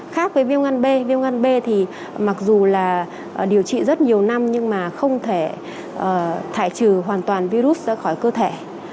khác với viêm gan b viêm gan b thì mặc dù là điều trị rất nhiều năm nhưng mà không thể thải trừ hoàn toàn virus ra khỏi cơ thể